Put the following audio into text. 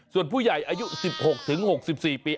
ส่วนผู้ใหญ่อายุ๑๖๖๔ปี